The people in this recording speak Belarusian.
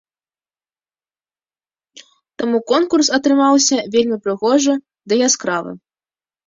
Таму конкурс атрымаўся вельмі прыгожы ды яскравы.